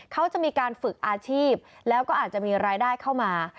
เขาจะมีการฝึกอาชีพแล้วก็อาจจะมีรายได้เข้ามา